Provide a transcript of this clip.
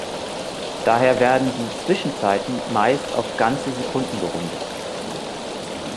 Daher werden die Zwischenzeiten meist auf ganze Sekunden gerundet.